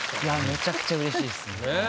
めちゃくちゃうれしいっすね。